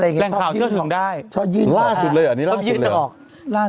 ไม่คิดเลยแรงข่าวเชื่อถึงได้ชอบยื่นหอกชอบยื่นหอกล่าสุดเลยอ่ะนี่ล่าสุดเลย